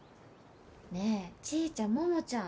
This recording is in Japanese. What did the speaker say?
ねえちぃちゃん百ちゃん